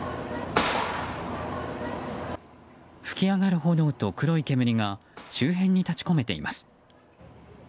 噴き上がる炎と黒い煙が周辺に立ち込めています。